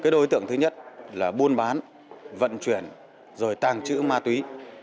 đối tượng thứ nhất là buôn bán vận chuyển rồi tàng trữ ma túy